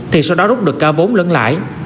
thì sau đó rút được cao vốn lẫn lại